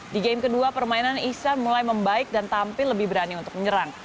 di game kedua permainan ihsan mulai membaik dan tampil lebih berani untuk menyerang